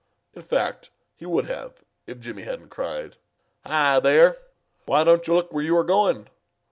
In fact, he would have, if Jimmy hadn't cried: "Hi, there! Why don't you look where you are going?